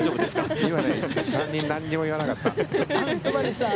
今ね、３人なんにも言わなかった。